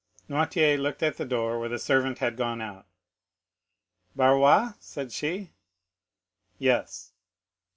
Noirtier looked at the door where the servant had gone out. "Barrois?" said she. "Yes."